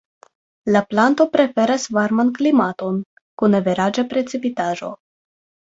La planto preferas varman klimaton kun averaĝa precipitaĵo.